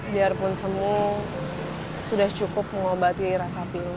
biarpun semu sudah cukup mengobati rasa pilih